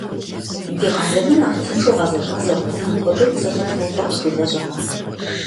Ди къалэныр нэхъ тыншу гъэзэщӏа зэрыхъуным хуэдэу зэхэдгъэуващ ди лэжьыгъэр.